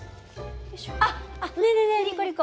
あっあっねえねえねえリコリコ。